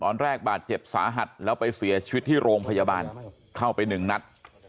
ตอนแรกบาดเจ็บสาหัสแล้วไปเสียชีวิตที่โรงพยาบาลเข้าไปหนึ่งนัด